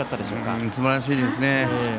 すばらしいですね。